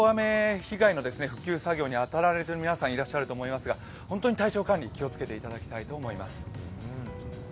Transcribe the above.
大雨被害の復旧作業に当たられている皆さんいると思いますが本当に体調管理、気をつけていただきたいと思います。